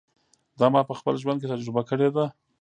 دا ما په خپل ژوند کې تجربه کړې ده.